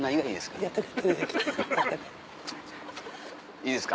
いいですか？